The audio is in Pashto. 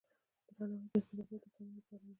درناوی د ارتباطاتو د سمون لپاره اړین دی.